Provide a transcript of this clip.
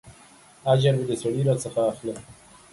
اجر به د سړي راڅخه اخلې.